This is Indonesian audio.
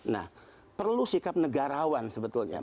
nah perlu sikap negarawan sebetulnya